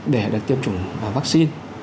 để được tiêm chủng vaccine